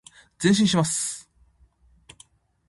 前進します。